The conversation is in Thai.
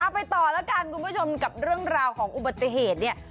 ไปต่อแล้วกันคุณผู้ชมกับเรื่องราวของอุบัติเหตุเนี่ย